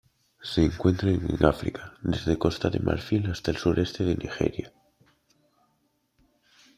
Se encuentran en África: desde Costa de Marfil hasta el sureste de Nigeria.